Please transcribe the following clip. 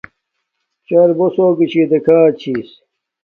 چَر بݸس ہݸگݵ چھݵ دݵکھݳچھݵس.